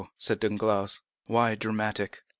said Danglars; "why dramatic?"